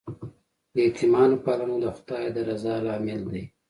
د یتیمانو پالنه د خدای د رضا لامل دی.